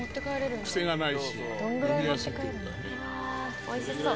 癖がないし飲みやすいって事だよね。